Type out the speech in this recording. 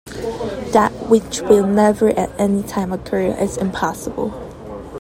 That which will never at any time occur, is impossible.